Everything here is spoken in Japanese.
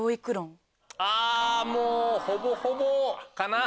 もうほぼほぼかな。